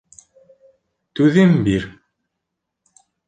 Түҙем бир.